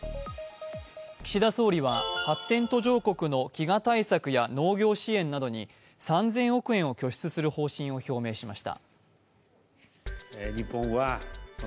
岸田総理は発展途上国の飢餓対策や農業支援などに３０００億円を拠出する方針を表明しました。